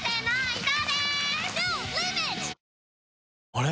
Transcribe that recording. あれ？